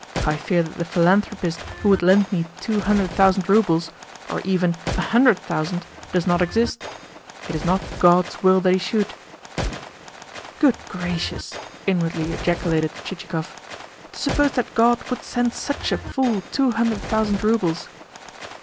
I fear that the philanthropist who would lend me two hundred thousand roubles or even a hundred thousand, does not exist. It is not God's will that he should." "Good gracious!" inwardly ejaculated Chichikov. "To suppose that God would send such a fool two hundred thousand roubles!"